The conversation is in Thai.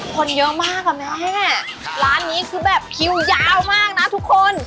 คนเยอะมากอ่ะแม่ร้านนี้คือแบบคิวยาวมากนะทุกคน